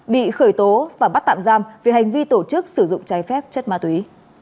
bị khởi tố và bắt tạm giam vì hành vi tổ chức sử dụng trái phép chất ma túy